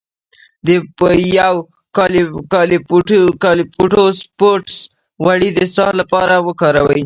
د یوکالیپټوس غوړي د ساه لپاره وکاروئ